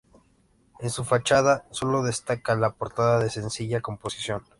En su fachada sólo destaca la portada, de sencilla composición.